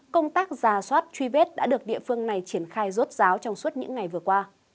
công tác giả soát truy vết đã được địa phương này triển khai rốt ráo trong suốt những ngày vừa qua